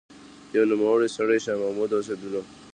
يو نوموړی سړی شاه محمد اوسېدلو